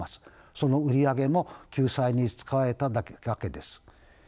その売り上げも救済に使われたわけです。